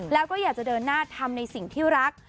แล้วก็อยากจะเดินหน้าทำในสิ่งที่รัก